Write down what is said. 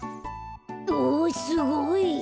おすごい！